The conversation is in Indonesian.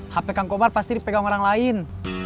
hp kang komar pasti dipegang orang lain